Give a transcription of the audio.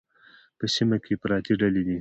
په سیمه کې افراطي ډلې